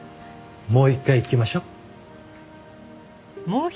もう一回いきましょう。